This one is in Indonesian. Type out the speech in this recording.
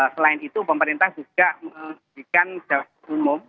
selain itu pemerintah juga menjadikan dasar umum